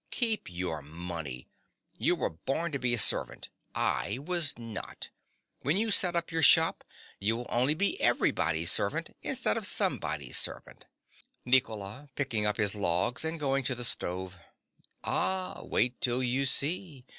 Keep your money. You were born to be a servant. I was not. When you set up your shop you will only be everybody's servant instead of somebody's servant. NICOLA. (picking up his logs, and going to the stove). Ah, wait till you see.